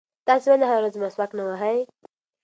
تاسې ولې هره ورځ مسواک نه وهئ؟